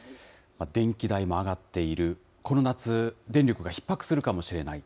電気代も上がっている、この夏、電力がひっ迫するかもしれない。